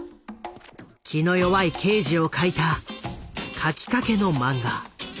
気の弱い刑事を描いた描きかけの漫画。